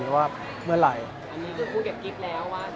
ก็แป้งด้านลง